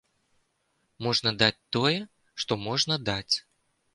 Можна даць тое, што можна даць.